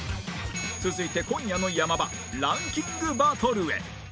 続いて今夜の山場ランキングバトルへ！